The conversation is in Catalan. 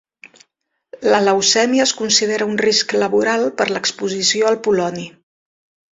La leucèmia es considera un risc laboral per l'exposició al poloni.